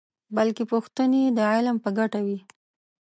بلکې پوښتنې د علم په ګټه وي.